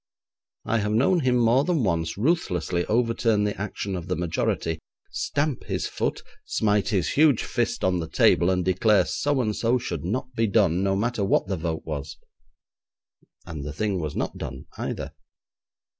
I have known him more than once ruthlessly overturn the action of the majority, stamp his foot, smite his huge fist on the table, and declare so and so should not be done, no matter what the vote was. And the thing was not done, either.